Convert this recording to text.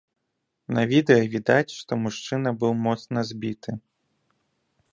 На відэа відаць, што мужчына быў моцна збіты.